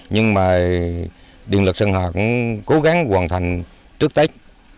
nhưng mà điện lực sơn hòa cũng cố gắng hoàn thành trước tết